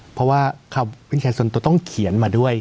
เพราะว่าคำวินแชร์ส่วนตัวต้องเขียนมาด้วย